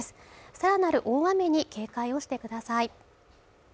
さらなる大雨に警戒をしてください